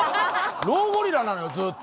老ゴリラなのよずっと。